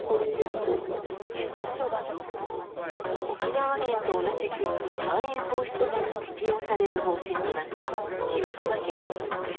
沖縄県と同じくまん延防止措置が適用される方針となった広島県。